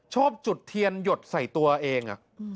ชอบจุดเทียนหยดใส่ตัวเอง